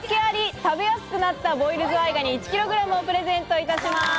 食べやすくなったボイルズワイガニ１ｋｇ」をプレゼントいたします。